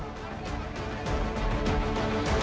sejak kisru minyak goreng bergulir